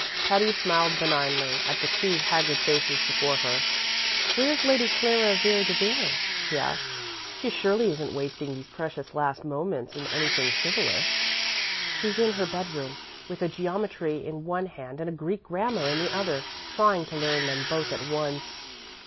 Patty smiled benignly at the two haggard faces before her. "Where's Lady Clara Vere de Vere?" she asked. "She surely isn't wasting these precious last moments in anything frivolous." "She's in her bedroom, with a geometry in one hand and a Greek grammar in the other, trying to learn them both at once."